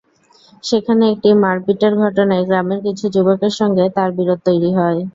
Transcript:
সেখানে একটি মারপিটের ঘটনায় গ্রামের কিছু যুবকের সঙ্গে তাঁর বিরোধ তৈরি হয়।